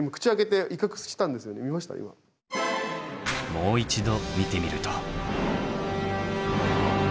もう一度見てみると。